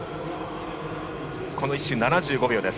この１周、７５秒です。